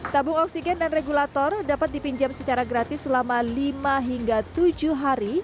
tabung oksigen dan regulator dapat dipinjam secara gratis selama lima hingga tujuh hari